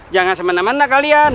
jangan semena mena kalian